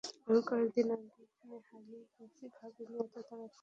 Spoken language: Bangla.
আমি কয়েকদিন আগে এখানে হারিয়ে গেছি, ভাবিনি এত তাড়াতাড়ি তোমাদের খুঁজে পাবো।